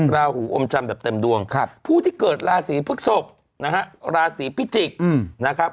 ราหูอมจันทร์แบบเต็มดวงผู้ที่เกิดราศีพฤกษกนะฮะราศีพิจิกษ์นะครับ